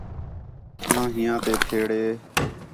آں ہیاں تے پھیڑے